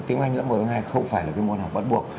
tiếng anh lớp một lớp hai không phải là môn học bắt buộc